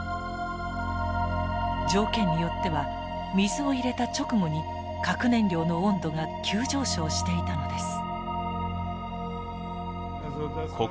条件によっては水を入れた直後に核燃料の温度が急上昇していたのです。